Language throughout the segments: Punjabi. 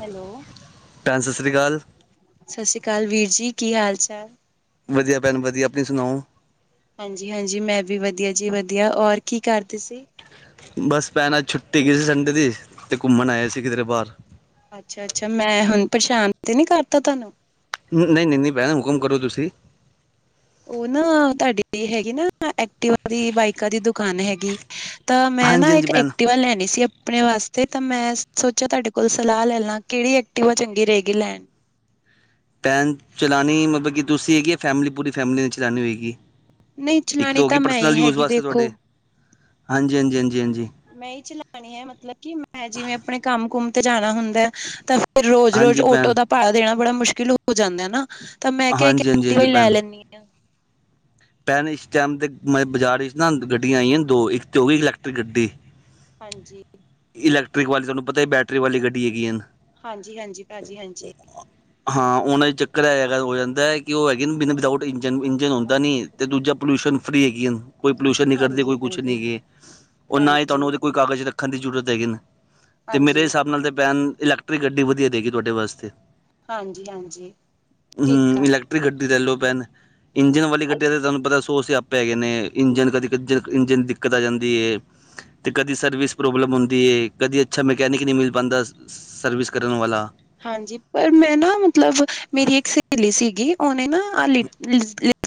ਹੈਲੋ। ਭੈਣ ਸਤਿ ਸ਼੍ਰੀ ਅਕਾਲ। ਸਤਿ ਸ਼੍ਰੀ ਅਕਾਲ ਵੀਰ ਜੀ ਕੀ ਹਾਲ ਚਾਲ? ਵਧੀਆ ਭੈਣ ਵਧੀਆ ਆਪਣੀ ਸੁਣਾਓ? ਹਾਂਜੀ ਹਾਂਜੀ ਮੈਂ ਵੀ ਵਧੀਆ ਜੀ ਵਧੀਆ ਔਰ ਕੀ ਕਰਦੇ ਸੀ? ਬਸ ਭੈਣ ਆਜ ਛੁੱਟੀ ਹੈਗੀ ਸੀ ਸੰਡੇ ਦੀ ਤੇ ਘੁੰਮਣ ਆਏ ਸੀ ਕਿਧਰੇ ਬਾਹਰ। ਅੱਛਾ ਅੱਛਾ ਮੈਂ ਹੁਣ ਪਰੇਸ਼ਾਨ ਤੇ ਨੀ ਕਰਤਾ ਤੁਹਾਨੂੰ? ਨਹੀਂ ਨਹੀਂ ਨਹੀਂ ਭੈਣ ਹੁਕਮ ਕਰੋ ਤੁਸੀਂ। ਉਹ ਨਾ ਤੁਹਾਡੀ ਹੈਗੀ ਨਾ ਐਕਟਿਵਾ ਦੀ ਬਾਈਕਾਂ ਦੀ ਦੁਕਾਨ ਹੈਗੀ, ਤਾਂ ਮੈਂ ਹਾਂਜੀ ਨਾ ਹਾਂਜੀ ਇੱਕ ਭੈਣ ਐਕਟੀਵਾ ਲੈਣੀ ਸੀ ਆਪਣੇ ਵਾਸਤੇ ਤਾਂ ਮੈਂ ਸੋਚਿਆ ਤੁਹਾਡੇ ਕੋਲ ਸਲਾਹ ਲੈ ਲਾਂ ਕਿਹੜੀ ਐਕਟੀਵਾ ਚੰਗੀ ਰਹੇਗੀ ਲੈਣ ਪੈਨ ਚਲਾਣੀ ਮਤਲਬ ਕਿ ਤੁਸੀਂ ਹੈਗੀ ਹੈ ਫੈਮਿਲੀ ਪੂਰੀ ਫੈਮਿਲੀ ਨੇ ਚਲਉਣੀ ਹੋਏਗੀ? ਨਹੀਂ ਇੱਕ ਤਾਂ ਚਲਾਣੀ ਹੋ ਗਈ ਮੈਂ ਹੀ ਪਰਸਨਲ ਯੂਜ ਹੈਗੀ ਵਾਸਤੇ ਤੁਹਾਡੇ ਦੇਖੋ ਹਾਂਜੀ ਹਾਂਜੀ ਹਾਂਜੀ ਹਾਂਜੀ। ਮੈਂ ਹੀ ਚਲਾਣੀ ਹੈ ਮਤਲਬ ਕਿ ਮੈਂ ਜਿਵੇਂ ਆਪਣੇ ਕੰਮ ਕੁਮ ਤੇ ਜਾਣਾ ਹੁੰਦਾ ਤਾਂ ਫੇਰ ਰੋਜ਼ ਰੋਜ਼ ਹਾਂਜੀ ਆਟੋ ਭੈਣ ਦਾ ਭਾੜਾ ਦੇਣਾ ਬੜਾ ਮੁਸ਼ਕਿਲ ਹੋ ਜਾਂਦਾ ਨਾ ਤਾਂ ਮੈਂ ਕਿਹਾ ਏਕ ਹਾਂਜੀ ਹਾਂਜੀ ਐਕਟਿਵਾ ਹਾਂਜੀ ਈ ਲੈ ਲੈਂਨੀ ਆ। [inaudible] ਪੈਣ ਇਸ ਟਾਈਮ ਤੇ ਬਾਜ਼ਾਰ ਵਿੱਚ ਨਾ ਗੱਡੀਆਂ ਆਈਆਂ ਨੇ ਦੋ ਇੱਕ ਤੇ ਹੋ ਗਈ ਇਲੈਕਟ੍ਰਿਕ ਗੱਡੀ, ਹਾਂਜੀ। ਇਲੈਕਟ੍ਰਿਕ ਵਾਲੀ ਤੁਹਾਨੂੰ ਪਤਾ ਹੈ ਬੈਟਰੀ ਵਾਲੀ ਗੱਡੀ ਹੈਗੀਆ ਹਨ। ਹਾਂਜੀ ਹਾਂਜੀ ਪਾਜੀ ਹਾਂਜੀ। ਹਾਂ ਉਹਨਾਂ ਚ ਚੱਕਰ ਐਹ ਹੈਗਾ ਹੋ ਜਾਂਦਾ ਹੈ ਕਿ ਉਹ ਹੈਗੇ ਬਿਨਾਂ ਵਿਦਾਉਟ ਇੰਜਨ ਇੰਜਨ ਹੁੰਦਾ ਨਹੀਂ, ਹਾਂਜੀ ਤੇ ਦੂਜਾ ਪੋਲਿਊਸ਼ਨ ਫਰੀ ਹੈਗੀ ਹਾਣ ਕੋਈ ਪੋਲੂਊਸ਼ਨ ਨਹੀਂ ਕਰਦੇ ਹਾਂਜੀ ਕੋਈ ਕੁਛ ਨਹੀਂ ਹਾਂਜੀ ਹੈਗੇ ਔਰ ਨਾ ਹੀ ਤੁਹਾਨੂੰ ਹਾਂਜੀ ਉਹਦੇ ਕੋਈ ਕਾਗਜ਼ ਰੱਖਣ ਦੀ ਜ਼ਰੂਰਤ ਹੈਗੀ ਨੇ। ਤੇ ਮੇਰੇ ਹਿਸਾਬ ਨਾਲ ਤੇ ਪੈਨ ਇਲੈਕ -ਗੱਡੀ ਵਧੀਆ ਰਹੇਗੀ ਤੁਹਾਡੇ ਵਾਸਤੇ। ਹਾਂਜੀ- ਹਾਂਜੀ, ਠੀਕ ਹਮ ਆ। ਇਲੈਕਟ੍ਰਿਕ ਗੱਡੀ ਰੈਲੋ ਪੈਨ, ਇੰਜਨ ਵਾਲੀ ਗੱਡੀ- ਤੇ ਓਹਦੇ ਤੁਵਾਨੁ ਪਤਾ ਸੌ ਸਆਪੇ ਹੈਗੇ ਨੇ ਇੰਜਨ ਕਦੀ ਇੰਜਨ ਦੀ ਦਿੱਕਤ ਆ ਜਾਂਦੀ ਏ, ਤੇ ਕਦੀ ਸਰਵਿਸ ਪ੍ਰੋਬਲਮ ਹੁੰਦੀ ਹੈ, ਕਦੀ ਅੱਛਾ ਮਕੈਨਿਕ ਨਹੀਂ ਮਿਲ ਪਾਉਂਦਾ ਸਰਵਿਸ ਕਰਨ ਵਾਲਾ ਹਾਂਜੀ, ਪਰ ਮੈਂ ਨਾ ਮਤਲਬ ਮੇਰੀ ਇੱਕ ਸਹੇਲੀ ਸੀਗੀ ਉਹਨੇ ਨਾ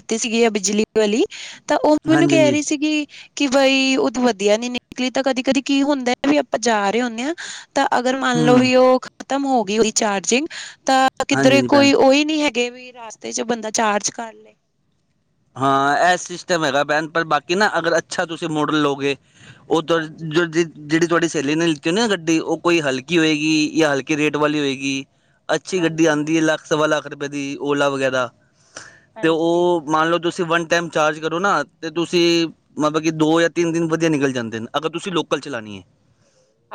ਤੀ ਸੀਗੀ ਆ ਬਿਜਲੀ ਵਾਲੀ, ਤਾਂ ਉਹ ਮੈਨੂੰ ਹਾਂਜੀ ਕਹਿ ਹਾਂਜੀ ਰਹੀ ਸੀਗੀ ਕਿ ਬਈ ਓ ਵਧੀਆ ਨੀ ਨਿਕਲੀ ਤਾਂ ਕਦੀ- ਕਦੀ ਕੀ ਹੁੰਦਾ ਵੀ ਆਪਾਂ ਜਾ ਰਹੇ ਹੁੰਦੇ ਆ ਤਾਂ ਅਗਰ ਮੰਨ ਲਓ ਹਮ ਵੀ ਉਹ ਖਤਮ ਹੋ ਗਈ ਉਹਦੀ ਚਾਰਜਿੰਗ ਤਾਂ- ਤਾਂ ਹਾਂਜੀ ਕਿੱਧਰੇ ਹਾਂਜੀ ਭੈਣ ਕੋਈ ਉਹੀ ਨਹੀ ਹੈਗੇ ਵੀ ਰਸਤੇ 'ਚ ਬੰਦਾ ਚਾਰਜ ਕਰ ਲਏ। ਹਾਂ ਇਹ ਸਿਸਟਮ ਹੈਗਾ ਪੈਨ ਪਰ ਬਾਕੀ ਨਾ ਅਗਰ ਅੱਛਾ ਤੁਸੀਂ ਮੋਡਲ ਲਓਗੇ- ਉਧਰ ਹਾਂਜੀ ਜ ਜਿਹੜੀ ਤੁਹਾਡੀ ਸੇਲੀ ਨੇ ਲਿੱਤੀ ਨਾ ਗੱਡੀ ਉਹ ਕੋਈ ਹਲਕੀ ਹੋਏਗੀ, ਜਾਂ ਹਲਕੀ ਰੇਟ ਵਾਲੀ ਹੋਏਗੀ। ਅੱਛੀ ਗੱਡੀ ਹਾਂਜੀ ਆਦੀ ਹੈ, ਲੱਖ -ਸਵਾ ਲੱਖ ਰੁਪਏ ਦੀ ਓਲਾ ਵਗੈਰਾ ਤੇ ਹਾਂਜੀ ਉਹ ਮੰਨ ਲਓ ਤੁਸੀਂ ਵਨ ਟਾਈਮ ਚਾਰਜ ਕਰੋ ਨਾ ਅਤੇ ਤੁਸੀਂ ਮਤਲਬ ਕਿ ਦੋ ਜਾਂ ਤਿੰਨ ਦਿਨ ਵਧੀਆ ਨਿਕਲ ਜਾਂਦੇ ਨੇ, ਅਗਰ ਤੁਸੀਂ ਲੋਕਲ ਚਲਾਣੀ ਹੈ।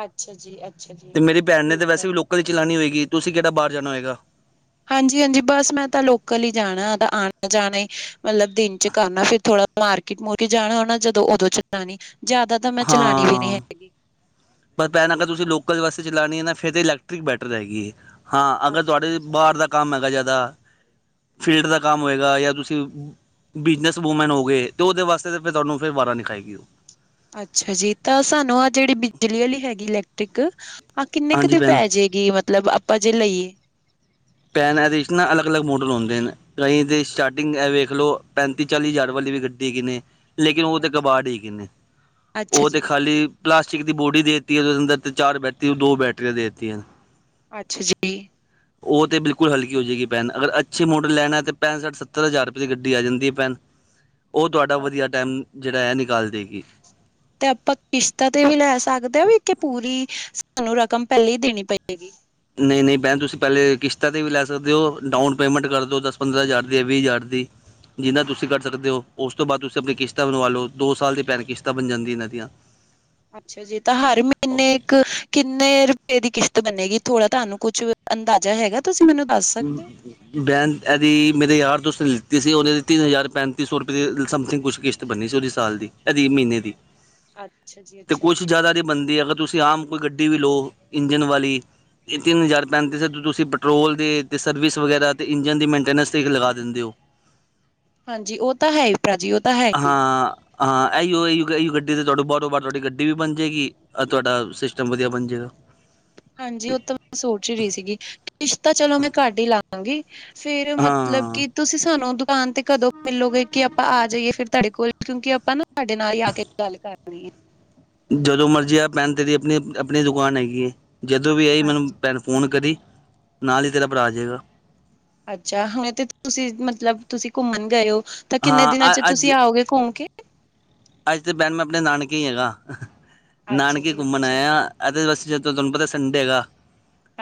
ਅੱਛਾ ਜੀ -ਅੱਛਾ ਜੀ, ਤੇ ਮੇਰੀ ਭੈਣ ਨੇ ਤਾਂ ਠੀਕ ਆ। ਵੈਸੇ ਵੀ ਲੋਕਲ ਹੀ ਚਲਾਣੀ ਹੋਏਗੀ, ਤੁਸੀਂ ਕਿਹੜਾ ਬਾਹਰ ਜਾਣਾ ਹੋਏਗਾ। ਹਾਂਜੀ-ਹਾਂਜੀ, ਬਸ ਮੈਂ ਤਾਂ ਲੋਕਲ ਹੀ ਜਾਣਾ ਤਾਂ ਆਣਾ- ਜਾਣਾ ਹੀ ਮਤਲਬ ਦਿਨ ਚ ਕਰਨਾ ਫਿਰ ਥੋੜ੍ਹਾ ਮਾਰਕੀਟ- ਮੋਕੀਟ ਜਾਣਾ ਹੋਣਾ, ਜਦੋਂ ਉਦੋਂ ਚਲਾਣੀ ਜਿਆਦਾ ਤਾਂ ਮੈਂ ਚਲਾਣੀ ਵੀ ਨੀ ਹਾਂ ਹੈਗੀ। ਪਰ ਭੈਣ ਅਗਰ ਤੁਸੀਂ ਲੋਕਲ ਵਾਸਤੇ ਚਲਾਣੀ ਹੈ ਨਾ ਫਿਰ ਤਾਂ ਇਲੈਕਟ੍ਰਿਕ ਬੈਟਰ ਹੈਗੀ। ਹਾਂ, ਅਗਰ ਤੁਹਾਡੇ ਅੱਛਾ-ਅੱਛਾ। ਬਾਹਰ ਦਾ ਕੰਮ ਹੈਗਾ ਜ਼ਿਆਦਾ। ਫੀਲਡ ਦਾ ਕੰਮ ਹੋਏਗਾ ਜਾਂ ਤੁਸੀਂ ਬਿਜਨਸ ਵੂਮੈਨ ਹੋਏ, ਅਤੇ ਉਹਦੇ ਵਾਸਤੇ ਤਾਂ ਫਿਰ ਤੁਹਾਨੂੰ ਫਿਰ ਵਾਰਾ ਨੀ ਖਾਗੀ ਉਹ ਅੱਛਾ ਜੀ ਤਾਂ ਸਾਨੂੰ ਆਹ ਜਿਹੜੀ ਬਿਜਲੀ ਵਾਲੀ ਹੈਗੀ ਇਲੈਕਟ੍ਰਿਕ ਆਹ ਕਿੰਨੇ ਕੁ ਹਾਂਜੀ ਦੀ ਭੈਣ ਪੈ ਜਾਏਗੀ। -ਗੀ ਮਤਲਬ ਆਪਾਂ ਜੇ ਲਈਏ। ਭੈਣ ਇਹਦੇ ਵਿੱਚ ਨਾ ਅਲੱਗ-ਅਲੱਗ ਮੋਡਲ ਹੁੰਦੇ ਨੇ। ਕਈ ਤੇ ਸਟਾਰਟਿੰਗ ਇਹ ਵੇਖ ਲਓ, ਪੈਂਤੀ- ਚਾਲੀ ਹਜ਼ਾਰ ਵਾਲੀ ਵੀ ਗੱਡੀ ਹੈਗੀ ਨੇ। ਲੇਕਿਨ ਉਹ ਤੇ ਹਾਂਜੀ। ਕਬਾੜ ਹੀ ਹੈਗੇ ਨੇ, ਅੱਛਾ ਉਹ ਤੇ ਜੀ, ਖਾਲੀ। ਪਲਾਸਟਿਕ ਦੀ ਬੋਡੀ ਦੇ ਦਿੱਤੀ ਹੈ, ਉਹਦੇ ਅੰਦਰ ਤੇ ਚਾਰ ਬੈਟਰੀ ਦੋ ਬੈਟਰੀਆਂ ਦੇ ਦਿੱਤੀ ਹੈ। ਅੱਛਾ ਜੀ। ਉਹ ਤੇ ਬਿਲਕੁਲ ਹੋ ਜਾਏਗੀ ਭੈਣ, ਅਗਰ ਅੱਛੀ ਮੋਟਰ ਲੈਣਾ ਆ ਤੇ ਪੈਂਠ -ਸੱਠ- ਸੱਤਰ ਹਜ਼ਾਰ ਰੁਪਏ ਦੀ ਗੱਡੀ ਆ ਜਾਂਦੀ ਹੈ, ਭੈਣ [inaudible] ਉਹ ਤੁਹਾਡਾ ਵਧੀਆ ਟਾਈਮ ਜਿਹੜਾ ਹੈ, ਨਿਕਾਲ ਦੇਗੀ। ਤੇ ਆਪਾਂ ਕਿਸ਼ਤਾਂ ਤੇ ਵੀ ਲੈ ਸਕਦੇ, ਆ ਵੀ ਕਿ ਪੂਰੀ ਸਾਨੂੰ ਰਕਮ ਪਹਿਲੇ ਹੀ ਦੇਣੀ ਪਏਗੀ। ਨਹੀਂ-ਨਹੀਂ ਭੈਣ ਤੁਸੀਂ ਪਹਿਲੇ ਕਿਸ਼ਤਾਂ ਤੇ ਵੀ ਲੈ ਸਕਦੇ ਹੋ, ਡਾਊਨ ਪੇਮੈਂਟ ਕਰ ਦਿਓ ਦਸ- ਪੰਦਰਾਂ ਹਜ਼ਾਰ ਦੀ ਹੈ ਵੀਹ ਹਜ਼ਾਰ ਦੀ '' ਜਿੰਨਾ ਤੁਸੀਂ ਕੱਢ ਸਕਦੇ ਹੋ, ਉਸ ਤੋਂ ਬਾਅਦ ਤੁਸੀਂ ਆਪਣੀ ਕਿਸ਼ਤਾਂ ਬਣਵਾ ਲਓ, ਦੋ ਸਾਲ ਦੀ ਭੈਣ ਕਿਸ਼ਤਾਂ ਬਣ ਜਾਂਦੀਆਂ ਨੇ, ਇਹਨਾਂ ਦੀਆਂ ਅੱਛਾ ਜੀ, ਤਾਂ ਹਰ ਮਹੀਨੇ ਇੱਕ ਕਿੰਨੇ ਰੁਪਏ ਦੀ ਕਿਸ਼ਤ ਬਣੇਗੀ, ਥੋੜਾ ਤੁਹਾਨੂੰ ਕੁਛ ਅੰਦਾਜ਼ਾ ਹੈਗਾ। ਤੁਸੀਂ ਮੈਨੂੰ ਦੱਸ ਦੋ ਹੂੰ, ਬੈਨ, ਇਹਦੀ ਮੇਰੇ ਯਾਰ -ਦੋਸਤ ਨੇ ਲਿੱਤੀ ਸੀ। ਉਹਨੇ ਦੀ ਤਿੰਨ ਹਜ਼ਾਰ -ਪੈਂਤੀ ਸੌ ਰੁਪਏ ਸਮਥਿੰਗ ਕੁਛ ਕਿਸ਼ਤ ਬੰਨੀ ਸੀ ਉਹਦੀ ਸਾਲ ਦੀ, ਅਦੀ ਮਹੀਨੇ ਦੀ। [inaudible] ਜੀ ਤੇ ਅੱਛਾ ਕੁਛ ਜੀ ਜ਼ਿਆਦਾ ਨਹੀਂ ਬਣਦੀ, ਅਗਰ ਤੁਸੀਂ ਆਮ ਕੋਈ ਗੱਡੀ ਵੀ ਲਓ ਇੰਜਨ ਵਾਲੀ ਇਹ ਤਿੰਨ ਹਜ਼ਾਰ -ਪੈਂਤੀ ਸੌ ਤੁਸੀਂ ਪੈਟਰੋਲ ਦੇ ਤੇ ਸਰਵਿਸ ਵਗੈਰਾ ਅਤੇ ਇੰਜਨ ਦੀ ਮੇਨਟੇਨੈਂਸ ਲਗਾ ਦਿੰਦੇ ਹੋ। ਹਾਂਜੀ, ਉਹ ਤਾਂ ਹੈ। ਪਰਾਜੀ ਔ ਤਾ ਹੈ। ਹੀ ਹਾਂ, ਹਾਂ, ਇਹੀਓ ਗੱਡੀ ਤੁਹਾਡੀ ਬਹਾਰੋਂ ਬਾਰ ਤੁਹਾਡੀ ਗੱਡੀ ਵੀ ਬਣ ਜਾਏਗੀ। ਤੁਹਾਡਾ ਸਿਸਟਮ ਵਧੀਆ ਬਣ ਜਾਏਗਾ। ਹਾਂਜੀ, ਉਹ ਤਾਂ ਮੈਂ ਸੋਚ ਹੀ ਰਹੀ ਸੀਗੀ, ਕਿਸ਼ਤਾਂ ਚਲੋ ਮੈਂ ਘਟ ਹੀ ਲਾ। ਹਾਂਜੀ, ਫੇਰ ਮਤਲਬ, ਹਾਂ ਕਿ ਤੁਸੀਂ ਸਾਨੂੰ ਦੁਕਾਨ ਤੇ ਕਦੋਂ ਮਿਲੋਗੇ, ਕਿ ਆਪਾਂ ਆ ਜਾਈਏ ਫਿਰ ਤੁਹਾਡੇ ਕੋਲ ਕਿਉਂਕਿ ਆਪਾਂ ਨਾ। ਤੁਹਾਡੇ ਨਾਲ ਹੀ ਆ ਕੇ ਗੱਲ ਕਰਨੀ ਹੈ। ਜਦੋਂ ਮਰਜੀ ਆ ਪੈਣ ਤੇਰੀ ਆਪਣੀ- ਆਪਣੀ ਦੁਕਾਨ ਹੈਗੀ ਹੈ, ਜਦੋਂ ਵੀ ਆਈ ਅੱਛਾ। ਮੈਨੂੰ ਭੈਣ ਫੋਨ ਕਰੀ, ਨਾਲ ਹੀ ਤੇਰਾ ਭਰਾ ਆ ਜਾਵੇਗਾ। ਅੱਛਾ ਹੁਣੇ ਤੇ ਤੁਸੀਂ ਮਤਲਬ ਤੁਸੀਂ ਘੁੰਮਣ ਗਏ ਹੋ, ਤਾਂ ਕਿੰਨੇ ਹਾਂ ਦਿਨਾਂ ਚ ਅ ਤੁਸੀਂ ਅੱਜ ਆਓਗੇ ਘੁੰਮ ਕੇ? ਅੱਜ ਤਾਂ ਭੈਣ ਮੈਂ ਆਪਣੇ ਨਾਨਕੇ ਹੈਗਾ ਅੱਛਾ ਨਾਨਕੇ ਜੀ ਘੁੰਮਣ ਅੱਛਾ ਆਇਆ। ਇਹ ਦੇ ਵਾਸ ਜਦੋ ਤੁਹਾਨੂੰ ਪਤਾ ਸੰਡੇ ਹੈਗਾ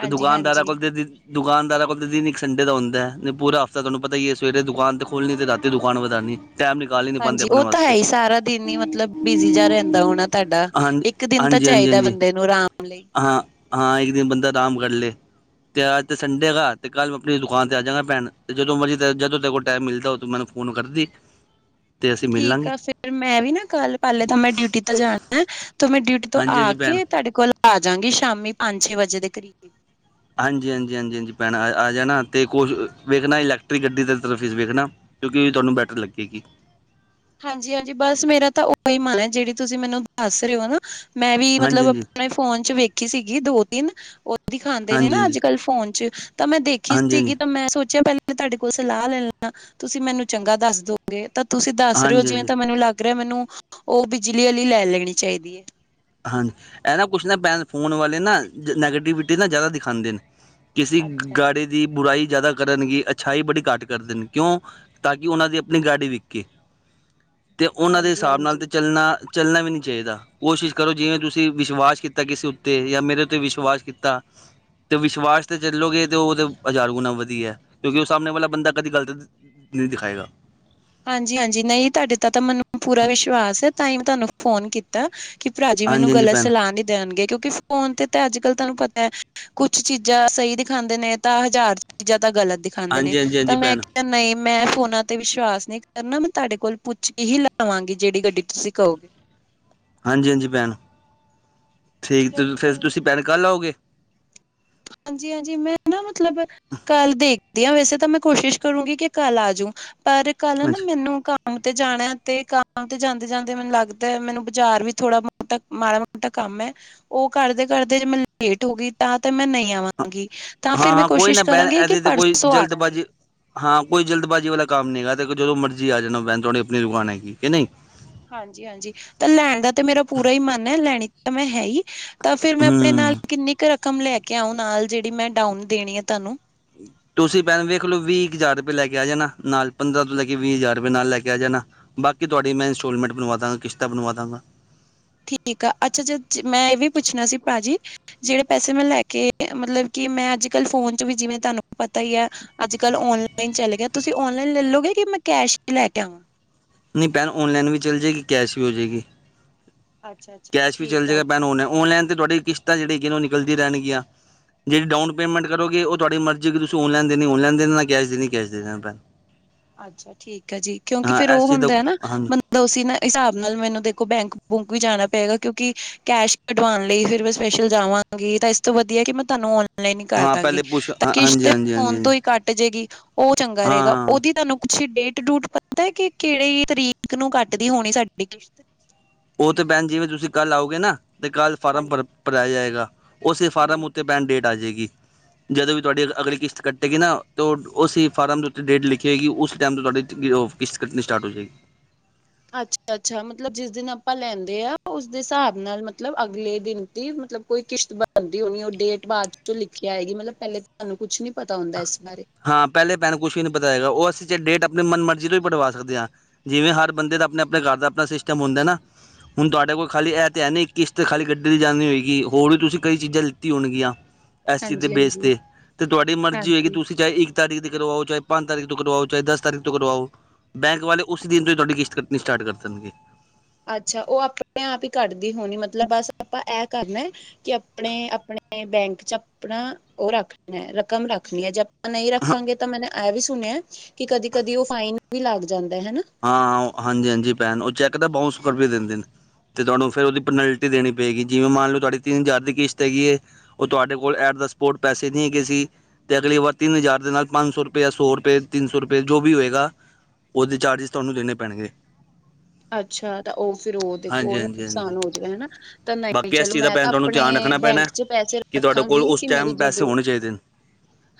ਤੇ ਦੁਕਾਨਦਾਰਾਂ ਹਾਂਜੀ। ਕੋਲ ਤੇ, ਦੁਕਾਨਦਾਰਾਂ ਕੋ ਤਾਂ ਦਿਨ ਇੱਕ ਸੰਡੇ ਦਾ ਹੁੰਦਾ, ਪੂਰਾ ਹਫ਼ਤਾ ਤੁਹਾਨੂੰ ਪਤਾ ਹੀ ਹੈ ਸਵੇਰੇ ਦੁਕਾਨ ਤਾਂ ਖੋਲ੍ਹਣੀ ਅਤੇ ਰਾਤੀ ਦੁਕਾਨ ਵਧਾਉਣੀ। ਟਾਈਮ ਨਿਕਾਲੀ। ਹਾਂਜੀ, ਉਹ ਤਾਂ ਹੈ ਹੀ ਸਾਰਾ ਦਿਨ ਕਿੰਨੀ ਮਤਲਬ ਬਿਜੀ ਜਿਹਾ ਰਹਿੰਦਾ ਹੋਣਾ ਤੁਹਾਡਾ ਹਾਂਜੀ ਇੱਕ ਦਿਨ ਤਾਂ ਹਾਂਜੀ ਹਾਂਜੀ ਚਾਹੀਦਾ ਹਾਂਜੀ ਬੰਦੇ ਨੂੰ ਆਰਾਮ ਲਈ। ਹਾਂ ਹਾਂ ਇੱਕ ਦਿਨ ਬੰਦਾ ਆਰਾਮ ਕਰ ਲੇ। ਤੇ ਅਜ ਤੇ ਸੰਡੇ ਹੈਗਾ ਤੇ ਕੱਲ੍ਹ ਮੈ ਆਪਣੀ ਦੁਕਾਨ ਤੇ ਆ ਜਾਂਗਾ ਭੈਣ ਤੇ ਜਦੋਂ ਮਰਜ਼ੀ ਜਦ ਤੇਰੇ ਕੋਲ ਟਾਈਮ ਮਿਲਦਾ ਮੈਨੂੰ ਫੋਨ ਕਾਰਦੀ। ਠੀਕ ਆ ਫੇਰ ਮੈਂ ਵੀ ਨਾ ਕੱਲ ਪਹਿਲੇ ਤਾਂ ਮੈਂ ਡਿਊਟੀ ਤੇ ਜਾਣਾ ਏ, ਤੇ ਮੈਂ ਡਿਊਟੀ ਤੋਂ ਹਾਂਜੀ ਆ ਹਾਂਜੀ ਭੈਣ ਕੇ ਤੁਹਾਡੇ ਕੋਲ ਆ ਜਾਗੀ ਸ਼ਾਮੀ ਪੰਜ, ਛੇ ਵਜੇ ਦੇ ਕਰੀਬ ਹਾਂਜੀ, ਹਾਂਜੀ, ਹਾਂਜੀ, ਹਾਂਜੀ ਭੈਣਾ ਆ ਆ ਜਾਣਾ ਅਤੇ ਕੁਛ ਵੇਖਣਾ ਇਲੈਕਟ੍ਰਿਕ ਗੱਡੀ ਦੀ ਤਰਫ ਹੀ ਵੇਖਣਾ। ਕਿਉਂਕਿ ਤੁਹਾਨੂੰ ਬੈਟਰ ਲੱਗੇਗੀ। ਹਾਂਜੀ, ਹਾਂਜੀ ਬਸ ਮੇਰਾ ਤਾਂ ਉਹੀ ਮਨ ਹੈ ਜਿਹੜੀ ਤੁਸੀਂ ਮੈਨੂੰ ਦੱਸ ਰਹੇ ਹੋ ਨਾ ਮੈਂ ਵੀ ਹਾਂਜੀ ਮਤਲਬ ਉਹ ਹਾਂਜੀ ਨੇ ਫੋਨ ਚ ਵੇਖੀ ਸੀਗੀ ਦੋ ਤਿੰਨ ਉਹ ਦਿਖਾਉਂਦੇ ਨੇ ਹਾਂਜੀ ਨਾ ਹਾਂਜੀ ਹਾਂਜੀ ਅੱਜ ਕੱਲ ਫੋਨ ਚ ਤਾਂ ਮੈਂ ਦੇਖੀ ਸੀਗੀ ਹਾਂਜੀ ਤਾਂ ਮੈਂ ਸੋਚਿਆ ਪਹਿਲਾਂ ਤੁਹਾਡੇ ਕੋਲ ਸਲਾਹ ਲੈਲਾ, ਤੁਸੀਂ ਮੈਨੂੰ ਚੰਗਾ ਦੱਸ ਦੋਗੇ ਤਾਂ ਤੁਸੀਂ ਦੱਸ ਹਾਂਜੀ ਜਿਵੇਂ ਹਾਂਜੀ ਤਾਂ ਮੈਨੂੰ ਲੱਗ ਰਿਹਾ ਮੈਨੂੰ ਉਹ ਬਿਜਲੀ ਵਾਲੀ ਲੈ ਲੈਣੀ ਚਾਹੀਦੀ ਏ। ਹਾਂਜੀ ਇਹ ਨਾ ਕੁਛ ਨਾ ਭੈਣ, ਫੋਨ ਵਾਲੇ ਨਾ ਨੈਗੇਟਿਵਿਟੀ ਨਾ ਜ਼ਿਆਦਾ ਦਿਖਾਉਂਦੇ ਨੇ। ਕਿਸੀ ਅੱਛਾ ਗਾੜੀ ਦੀ ਬੁਰਾਈ ਜ਼ਿਆਦਾ ਕਰਨਗੇ ਅੱਛਾਈ ਬੜੀ ਘੱਟ ਕਰਦੇ ਨੇ, ਕਿਉਂ ਤਾਂ ਕਿ ਉਹਨਾਂ ਦੀ ਆਪਣੀ ਗਾਡੀ ਵਿਕੇੇ। [inaudible] ਤੇ ਉਹਨਾਂ ਦੇ ਹਿਸਾਬ ਨਾਲ ਹਾਂਜੀ-ਹਾਂਜੀ ਤੇ ਚੱਲਣਾ ਚੱਲਣਾ ਵੀ ਨਹੀਂ ਚਾਹੀਦਾ ਕੋਸ਼ਿਸ਼ ਕਰੋ ਜਿਵੇਂ ਤੁਸੀਂ ਵਿਸ਼ਵਾਸ ਕੀਤਾ ਕਿਸੇ ਉੱਤੇ ਯਾਂ ਮੇਰੇ ਉੱਤੇ ਵਿਸ਼ਵਾਸ ਕੀਤਾ ਤੇ ਵਿਸ਼ਵਾਸ ਤੇ ਚੱਲੋਗੇ ਤੇ ਉਹਦੇ ਹਜ਼ਾਰ ਗੁਣਾ ਵਧੀਆ ਏ। ਕਿਉਂਕਿ ਉਹ ਸਾਹਮਣੇ ਵਾਲਾ ਬੰਦਾ ਕਦੀ ਗਲਤ ਨਹੀਂ ਦਿਖਾਏਗਾ। ਹਾਂਜੀ, ਹਾਂਜੀ ਨਹੀਂ ਤੁਹਾਡੇ ਤਾਂ ਤਾਂ ਮੈਨੂੰ ਪੂਰਾ ਵਿਸ਼ਵਾਸ ਹੈ ਤਾਂ ਹੀ ਮੈਂ ਤੁਹਾਨੂੰ ਫੋਨ ਕੀਤਾ ਕੀਤਾ ਕਿ ਭਰਾ ਜੀ ਮੈਨੂੰ ਹਾਂਜੀ ਹਾਂਜੀ ਗ਼ਲਤ ਭੈਣ ਸਲਾਹ ਨਹੀਂ ਦੇਣਗੇ, ਕਿਉਂਕਿ ਫੋਨ ਤੇ ਤਾਂ ਅੱਜ ਕੱਲ ਤੁਹਾਨੂੰ ਪਤਾ ਏ। ਕੁਛ ਚੀਜ਼ਾਂ ਸਹੀ ਦਿਖਾਉਂਦੇ ਨੇ ਤਾਂ ਹਜ਼ਾਰ ਚੀਜ਼ਾਂ ਤਾਂ ਗ਼ਲਤ ਦਿਖਾਉਂਦੇ ਨੇ ਹਾਂਜੀ ਹਾਂਜੀ ਹਾਂਜੀ ਤਾਂ ਮੈਂ ਭੈਣ ਨਹੀਂ ਮੈਂ ਫੋਨਾ ਤੇ ਵਿਸ਼ਵਾਸ ਨਹੀਂ ਕਰ ਨਾ ਮੈਂ ਤੁਹਾਡੇ ਕੋਲ ਪੁੱਛ ਕੇ ਹੀ ਲਾਵਾਂਗੀ ਜਿਹੜੀ ਗੱਡੀ ਤੁਸੀਂ ਕਹੋਗੇ। ਹਾਂਜੀ, ਹਾਂਜੀ ਭੈਣ ਠੀਕ ਫਿਰ ਤੁਸੀਂ ਭੈਣ ਕਲ ਆਓਗੇ। ਹਾਂਜੀ, ਹਾਂਜੀ ਮੈਂ ਨਾ ਮਤਲਬ ਕੱਲ ਦੇਖਦੀ ਹਾਂ ਵੈਸੇ ਤਾਂ ਮੈਂ ਕੋਸ਼ਿਸ਼ ਕਰੂੰਗੀ ਕਿ ਕੱਲ ਆਜੂ ਪਰ ਕੱਲ ਨਾ ਹਾਂਜੀ ਮੈਨੂੰ ਕ ਕੰਮ ਤੇ ਜਾਣਾ ਤੇ ਕੰਮ ਤੇ ਜਾਂਦੇ ਜਾਂਦੇ ਮੈਨੂੰ ਲੱਗਦਾ ਹੈ ਮੈਨੂੰ ਬਾਜ਼ਾਰ ਵੀ ਥੋੜਾ ਤ ਮਾੜਾ ਮੋਟਾ ਕੰਮ ਏ, ਉਹ ਕਰਦੇ ਕਰਦੇ ਜੇ ਮੈਂ ਲੇਟ ਹੋ ਗਈ ਤਾਂ ਤੇ ਮੈਂ ਨਹੀਂ ਆਵਾਂਗੀ। ਤਾਂ ਹਾਂ, ਫਿਰ ਮੈਂ ਹਾਂ ਕੋਈ ਨਾ ਕੋਸ਼ਿਸ਼ ਭੈਣ ਕਰਾਂਗੀ ਕਿ ਇਦੇ ਤੇ ਕੋਈ ਪਰਸੋਂ ਆ ਜਾਂਗੀ ਜਲਦਬਾਜ਼ੀ ਹਾਂ ਕੋਈ ਜਲਦਬਾਜੀ ਵਾਲਾ ਕੰਮ ਨੀ ਹੈਗਾ ਦੇਖੋ ਜਦੋਂ ਮਰਜ਼ੀ ਆ ਜਾਣਾ ਨਾ ਭੈਣ ਤੁਹਾਡੀ ਆਪਣੀ ਦੁਕਾਨ ਹੈਗੀ ਕੇ ਨਹੀਂ। ਹਾਂਜੀ, ਹਾਂਜੀ ਤਾਂ ਲੈਣ ਦਾ ਤਾਂ ਮੇਰਾ ਪੂਰਾ ਹੀ ਮਨ ਹੈ ਲੈਣੀ ਤਾਂ ਮੈਂ ਹੈ ਹੀ ਤਾਂ ਫੇਰ ਮੈਂ ਆਪਣੇ ਨਾਲ ਹੂੰ ਕਿੰਨੀ ਕੁ ਰਕਮ ਲੈ ਕੇ ਆਓ ਨਾਲ ਜਿਹੜੀ ਮੈਂ ਡਾਊਨ ਦੇਣੀ ਆ ਤੁਹਾਨੂੰ। ਤੁਸੀਂ ਭੈਣ ਵੇਖ ਲੋ ਵੀਹ ਕੁ ਹਜ਼ਾਰ ਰੁਪਏ ਲੈ ਕੇ ਆ ਜਾਣਾ ਨਾਲ, ਪੰਦਰਾਂ ਤੋਂ ਲੈ ਕੇ ਵੀਹ ਹਜ਼ਾਰ ਰੁਪਏ ਨਾਲ ਲੈ ਕੇ ਆ ਜਾਣਾ। ਬਾਕੀ ਤੁਹਾਡੀ ਮੈਂ ਇੰਸਟੋਲਮੈਂਟ ਬਣਵਾ ਦਾਂਗਾ ਕਿਸ਼ਤਾ ਬਣਵਾ ਦਾਂਗਾ। ਠੀਕ ਆ ਅੱਛਾ ਜ ਮੈਂ ਇਹ ਵੀ ਪੁੱਛਣਾ ਸੀ ਭਾਜੀ ਜਿਹੜੇ ਪੈਸੇ ਮੈਂ ਲੈ ਕੇ ਮਤਲਬ ਕਿ ਮੈਂ ਅੱਜ ਕਲ ਫੋਨ ਚ ਵੀ ਜਿਵੇਂ ਤੁਹਾਨੂੰ ਪਤਾ ਹੀ ਆ ਅੱਜ ਕੱਲ੍ਹ ਔਨਲਾਈਨ ਚੱਲ ਗਿਆ ਤੁਸੀਂ ਔਨਲਾਈਨ ਲੈਲੋਗੇ ਕਿ ਮੈਂ ਕੈਸ਼ ਹੀ ਲੈ ਕੇ ਆਵਾਂ। ਨਹੀਂ ਪੈਣ ਔਲਾਈਨ ਵੀ ਚੱਲ ਜਾਏਗੀ, ਕੈਸ਼ ਵੀ ਹੋ ਜਾਏਗੀ। ਅੱਛਾ ਅੱਛਾ ਕੈਸ਼ ਵੀ ਚੱਲ ਠੀਕ ਆ ਜਾਗਾ ਭੈਣ ਔਨਲਾਈਨ ਤੇ ਤੁਹਾਡੀ ਕਿਸ਼ਤਾਂ ਜਿਹੜੀਆਂ ਉਹ ਨਿਕਲਦੀ ਰਹਿਣਗੀਆਂ। ਜਿਹੜੀ ਡਾਊਨ ਪੇਮੈਂਟ ਕਰੋਗੇ ਉਹ ਤੁਹਾਡੀ ਮਰਜ਼ੀ ਕਿ ਤੁਸੀਂ ਔਨਲਾਈਨ ਦੇਣੀ ਔਨਲਾਈਨ ਦੇ ਦੇਣਾ ਕੈਸ਼ ਦੇਣੀ ਕੈਸ਼ ਦੇ ਦੇਣਾ। ਅੱਛਾ ਠੀਕ ਹੈ ਜੀ ਕਿਉਂਕਿ ਹਾਂ ਫੇਰ ਉਹ ਇਸ ਚੀਜ਼ ਦਾ ਹੁੰਦਾ ਨਾ ਹਾਂਜੀ ਉਸ ਨਾ ਹਿਸਾਬ ਨਾਲ ਮੈਨੂੰ ਦੇਖੋ ਬੈਂਕ ਬੁਂਕ ਵੀ ਜਾਣਾ ਪਏਗਾ ਕਿਉਂਕਿ ਕੈਸ਼ ਕਢਵਾਉਣ ਲਈ ਫਿਰ ਮੈਂ ਸਪੈਸ਼ਲ ਜਾਵਾਂਗੀ ਤਾਂ ਇਸ ਤੋਂ ਵਧੀਆ ਕਿ ਮੈਂ ਤੁਹਾਨੂੰ ਔਨਲਾਈਨ- ਲਾਇਨ ਹੀ ਕਰ ਹਾਂ ਦੇਵਾਂਗੀ, ਪਹਿਲੇ ਪੁੱਛ ਤਾਂ ਹਾਂਜੀ ਕਿਸ਼ਤ ਹਾਂਜੀ ਹਾਂਜੀ ਫੋਨ ਹਾਂਜੀ ਤੋਂ ਹੀ ਘੱਟ ਜੇਗੀ ਉਹ ਚੰਗਾ ਰਹੇਗਾ। ਹਾਂ ਉਹਦੀ ਤੁਹਾਨੂੰ ਕੁਛ ਡੇਟ ਡੂਟ ਪਤਾ ਕਿ ਕਿਹੜੀ ਤਰੀਕ ਨੂੰ ਕੱਟਦੀ ਹੋਣੀ ਸਾਡੀ ਕਿਸ਼ਤ। ਉਹ ਤਾਂ ਭੈਣ ਜਿਵੇਂ ਤੁਸੀਂ ਕੱਲ੍ਹ ਆਓਗੇ ਨਾ, ਤਾਂ ਕੱਲ੍ਹ ਫਾਰਮ ਭਰ ਭਰਾਇਆ ਜਾਏਗਾ ਉਹ ਸੀ ਫਾਰਮ ਹਮ ਉੱਤੇ ਪੈਂਡ ਡੇਟ ਆ ਜਾਵੇਗੀ ਜਦੋਂ ਵੀ ਤੁਹਾਡੀ ਅਗਲੀ ਕਿਸ਼ਤ ਕੱਟੇਗੀ ਨਾ, ਤਾਂ ਉਹ ਉਸ ਫਾਰਮ ਦੇ ਉੱਤੇ ਡੇਟ ਲਿਖੀ ਹੋਗੀ ਉਸ ਟਾਈਮ ਤੋਂ ਤੁਹਾਡੀ ਉਹ ਕਿਸ਼ਤ ਕਟਣੀ ਸਟਾਰਟ ਹੋ ਜਾਏਗੀ ਅੱਛਾ, ਅੱਛਾ ਮਤਲਬ ਜਿਸ ਦਿਨ ਆਪਾਂ ਲੈਂਦੇ ਆ ਉਸਦੇ ਹਿਸਾਬ ਨਾਲ ਮਤਲਬ ਅਗਲੇ ਦਿਨ ਦੀ ਮਤਲਬ ਕੋਈ ਕਿਸ਼ਤ ਬਣਦੀ ਹੋਣੀ ਉਹ ਡੇਟ ਬਾਅਦ ਚੋਂ ਲਿਖਿਆ ਆਏਗੀ ਮਤਲਬ ਪਹਿਲੇ ਤੁਹਾਨੂੰ ਕੁਛ ਨੀ ਪਤਾ ਹੁੰਦਾ ਇਸ ਬਾਰੇ ਹਾਂ ਪਹਿਲੇ ਭੈਣ ਕੁਛ ਵੀ ਨਹੀ ਪਤਾ ਹੈਗਾ, ਉਹ ਅਸੀਂ ਡੇਟ ਆਪਣੀ ਮਨ ਮਰਜ਼ੀ ਤੋਂ ਵੀ ਪਵਾ ਸਕਦੇ ਹਾਂ ਜਿਵੇਂ ਹਰ ਬੰਦੇ ਦਾ ਆਪਣੇ- ਆਪਣੇ ਘਰ ਦਾ ਆਪਣਾ ਸਿਸਟਮ ਹੁੰਦਾ ਨਾ ਹੁਣ ਤੁਹਾਡੇ ਕੋਲ ਖਾਲੀ ਇਹ ਤਾਂ ਹੈ ਨਹੀਂ ਇੱਕ ਕਿਸ਼ਤ ਖਾਲੀ ਗੱਡੀ ਦੀ ਜਾਣੀ ਹੋਏਗੀ ਹੋਰ ਵੀ ਤੁਸੀਂ ਕਈ ਚੀਜ਼ਾਂ ਲਿੱਤੀ ਹੋਣਗੀਆਂ ਇਸ ਚੀਜ਼ ਦੇ ਹਾਂਜੀ ਬੇਸ ਹਾਂਜੀ ਤੇ, ਤੇ ਤੁਹਾਡੀ ਮਰਜ਼ੀ ਹੋਏਗੀ ਹਾਂਜੀ ਤੁਸੀਂ ਚਾਹੇ ਇੱਕ ਤਾਰੀਖ ਦੀ ਕਰਵਾਓ, ਚਾਹੇ ਪੰਜ ਤਾਰੀਖ ਤੋਂ ਕਰਵਾਓ, ਚਾਹੇ ਦਸ ਤਾਰੀਖ ਤੋਂ ਕਰਵਾਓ ਬੈਂਕ ਵਾਲੇ ਉਸੇ ਦਿਨ ਤੋਂ ਹੀ ਤੁਹਾਡੀ ਕਿਸ਼ਤ ਕਟਣੀ ਸਟਾਰਟ ਕਰ ਦੇਣਗੇ ਅੱਛਾ ਉਹ ਆਪਣੇ ਆਪ ਹੀ ਕਟਦੀ ਹੋਣੀ ਮਤਲਬ ਬਸ ਆਪਾਂ ਇਹ ਕਰਨਾ ਕਿ ਆਪਣੇ -ਆਪਣੇ ਬੈਂਕ ਚ ਆਪਣਾ ਉਹ ਰੱਖ ਰਕਮ ਰੱਖਣੀ ਹੈ ਜਾਂ ਨਹੀਂ ਰੱਖਾਂਗੇ ਤਾਂ ਮੈ ਇਹ ਵੀ ਸੁਣਿਆ ਕਿ ਕਦੀ- ਕਦੀ ਉਹ ਫਾਈਨ ਵੀ ਲੱਗ ਜਾਂਦਾ ਹਨਾ ਹਾਂ ਹਾਂਜੀ- ਹਾਂਜੀ ਭੈਣ ਉਹ ਚੈੱਕ ਤਾਂ ਬਸਕਰ ਵੀ ਦਿੰਦੇ ਨੇ ਤੇ ਤੁਹਾਨੂੰ ਫਿਰ ਉਹਦੀ ਪੈਨਲਟੀ ਦੇਣੀ ਪਏਗੀ ਜਿਵੇਂ ਮੰਨ ਲਓ ਤੁਹਾਡੀ ਤਿੰਨ ਹਜ਼ਾਰ ਦੀ ਕਿਸ਼ਤ ਹੈਗੀ ਹੈ ਉਹ ਤੁਹਾਡੇ ਕੋਲ ਐਟ ਦਾ ਸਪੋਟ ਪੈਸੇ ਨਹੀਂ ਹੈਗੇ ਸੀ ਤੇ ਅਗਲੀ ਵਾਰ ਤਿੰਨ ਹਜ਼ਾਰ ਦੇ ਨਾਲ ਪੰਜ ਸੌ ਰੁਪਏ, ਸੌ ਰੁਪਏ, ਤਿੰਨ ਸੌ ਰੁਪਏ ਜੋ ਵੀ ਹੋਏਗਾ ਉਹਦੇ ਚਾਰਜਿਸ ਤੁਹਾਨੂੰ ਦੇਣੇ ਪੈਣਗੇ ਅੱਛਾ ਤਾਂ ਉਹ ਫਿਰ ਉਹ ਦੇਖੋ ਉਹ ਹਾਂਜੀ ਹਾਂਜੀ ਨੁਕਸਾਨ ਹਾਂਜੀ ਹੋ ਜਾਏਗਾ ਹਨਾ, ਤਾਂ ਨਹੀਂ ਨਹੀਂ ਬਾਕੀ ਇਸ ਚਲੋ ਚੀਜ਼ ਦਾ ਮੈਂ ਭੈਣ ਤਾਂ ਤੁਹਾਨੂੰ ਧਿਆਨ ਆਪਣੇ ਰੱਖਣਾ ਪੈਣਾ ਬੈਂਕ ਚ ਪੈਸੇ ਕਿ ਤੁਹਾਡੇ ਕੋਲ ਰੱਖਾਂਗੀ ਉਸ ਕਿ ਮੇਰੀ ਟਾਈਮ ਪੈਸੇ ਜਦੋਂ ਹੋਣੇ ਚਾਹੀਦੇ ਨੇ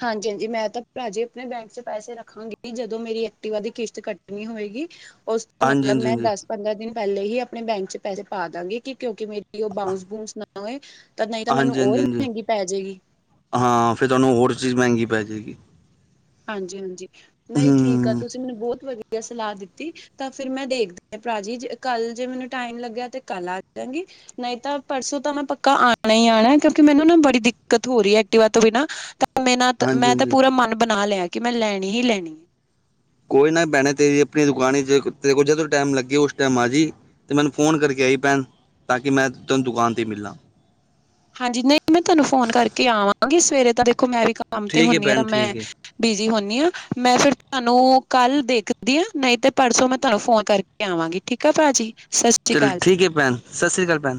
ਹਾਂਜੀ -ਹਾਂਜੀ ਮੈਂ ਤਾਂ ਭਰਾਜੀ ਆਪਣੇ ਬੈਂਕ ਚ ਪੈਸੇ ਰੱਖਾਂਗੀ ਜਦੋਂ ਮੇਰੀ ਐਕਟਿਵਾ ਦੀ ਕਿਸ਼ਤ ਕੱਟਣੀ ਹੋਏਗੀ ਉਸ ਤੋਂ ਹਾਂਜੀ- ਮਤਲਬ ਹਾਂਜੀ ਮੈਂ -ਹਾਂਜੀ ਦਸ ਪੰਦਰਾਂ ਦਿਨ ਪਹਿਲੇ ਹੀ ਆਪਣੇ ਬੈਂਕ ਚ ਪੈਸੇ ਪਾ ਦਵਾਂਗੀ ਕਿ ਕਿਉਂਕਿ ਮੇਰੀ ਉਹ ਬਾਂਊਸ ਬੂਸ ਨਾ ਤਾਂ ਨਹੀਂ ਤਾਂ ਮੈਨੂੰ ਹਾਂਜੀ ਹਾਂਜੀ ਹੋਰ ਹਾਂਜੀ ਮਹਿੰਗੀ ਪੈ ਜਾਏਗੀ ਹਾਂ, ਫਿਰ ਤੁਹਾਨੂੰ ਹੋਰ ਚੀਜ਼ ਮਹਿੰਗੀ ਪੈ ਜਾਏਗੀ ਹਾਂਜੀ- ਹਾਂਜੀ ਨਹੀਂ ਠੀਕ ਆ ਹਮ ਤੁਸੀਂ ਮੈਨੂੰ ਬਹੁਤ ਵਧੀਆ ਸਲਾਹ ਦਿੱਤੀ ਤਾਂ ਫਿਰ ਮੈਂ ਦੇਖਦੀ ਭਰਾ ਜੀ ਜੇ ਕੱਲ ਜੇ ਮੈਨੂੰ ਟਾਈਮ ਲੱਗਿਆ ਤੇ ਕੱਲ੍ਹ ਆ ਜਾਵਾਂਗੀ ਨਹੀਂ ਤਾਂ ਪਰਸੋਂ ਤਾਂ ਮੈਂ ਪੱਕਾ ਆਉਣਾ ਹੀ ਆਉਣਾ ਕਿਉਂਕਿ ਮੈਨੂੰ ਨਾ ਬੜੀ ਦਿੱਕਤ ਹੋ ਰਹੀ ਹੈ ਐਕਟਿਵਾ ਤੋਂ ਬਿਨਾਂ ਮੇ ਨਾਲ, ਹਾਂਜੀ ਮੈਂ ਤਾਂ ਹਾਂਜੀ ਪੂਰਾ ਮਨ ਬਣਾ ਲਿਆ ਕਿ ਮੈਂ ਲੈਣੀ ਹੀ ਲੈਣੀ ਕੋਈ ਨਾ ਭੈਣੇ ਤੇਰੀ ਆਪਣੀ ਦੁਕਾਨ ਚ ਤੇਰੇ ਕੋਲ ਜਦੋਂ ਟਾਈਮ ਲੱਗੇ ਉਸ ਟਾਈਮ ਆ ਜਾਈ ਤੇ ਮੈਨੂੰ ਫੋਨ ਕਰਕੇ ਆਈ ਭੈਣ ਤਾਂ ਕਿ ਮੈਂ ਤੁਹਾਨੂੰ ਦੁਕਾਨ ਤੇ ਹੀ ਮਿਲਣਾ ਹਾਂਜੀ, ਨਹੀਂ ਮੈਂ ਤੁਹਾਨੂੰ ਫੋਨ ਕਰਕੇ ਆਵਾਂਗੀ, ਸਵੇਰੇ ਤਾਂ ਦੇਖੋ ਮੈਂ ਵੀ ਕੰਮ ਤੇ ਠੀਕ ਹੈ ਹੁੰਦੀ ਹਾਂ ਤਾਂ ਭੈਣ ਮੈਂ ਠੀਕ ਹੈ ਬਿਜੀ ਹੁੰਦੀ ਹਾਂ, ਮੈਂ ਫਿਰ ਤੁਹਾਨੂੰ ਕੱਲ ਦੇਖਦੀ ਆ, ਨਹੀਂ ਤੇ ਪਰਸੋ ਮੈਂ ਤੁਹਾਨੂੰ ਫੋਨ ਕਰਕੇ ਆਵਾਂਗੀ ਠੀਕ ਭਾਜੀ ਸਤਿ ਸ੍ਰੀ ਅਕਾਲ ਚਲੋ ਜੀ। ਠੀਕ ਹੈ ਭੈਣ, ਸਤਿ ਸ੍ਰੀ ਅਕਾਲ ਭੈਣ